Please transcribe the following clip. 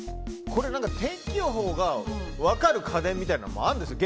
天気予報が分かる家電みたいなのがあるんですよ